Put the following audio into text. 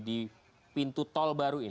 di pintu tol baru ini